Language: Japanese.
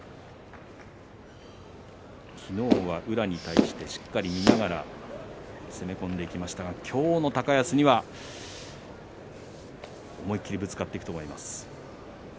昨日は宇良に対してしっかり見ながら攻め込んでいきましたが今日の高安には思い切りぶつかっていくと思います。